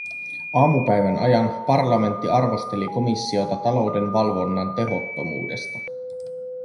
Aamupäivän ajan parlamentti arvosteli komissiota talouden valvonnan tehottomuudesta.